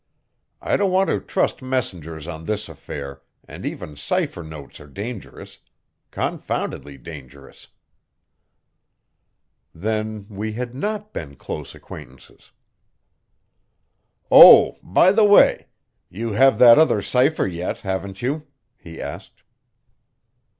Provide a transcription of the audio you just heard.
I don't want to trust messengers on this affair, and even cipher notes are dangerous, confoundedly dangerous." Then we had not been close acquaintances. "Oh, by the way, you have that other cipher yet, haven't you?" he asked.